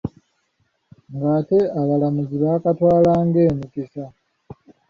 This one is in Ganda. Ng’ate abalamazi bakatwala ng’emikisa.